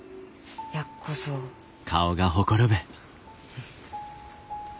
うん。